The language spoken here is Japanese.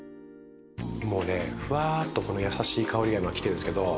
もうねふわっとこのやさしい香りが今きてるんですけど。